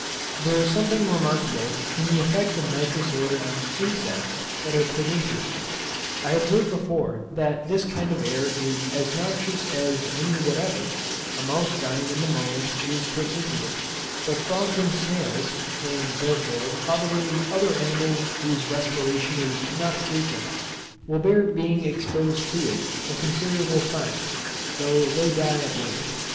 There is something remarkable in the effect of nitrous air on insects that are put into it. I observed before that this kind of air is as noxious as any whatever, a mouse dying the moment it is put into it; but frogs and snails (and therefore, probably, other animals whose respiration is not frequent) will bear being exposed to it a considerable time, though they die at length.